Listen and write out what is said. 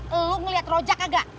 lu ngeliat rojak agak